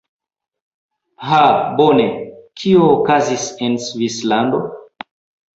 Ha bone. Kio okazis en Svislando?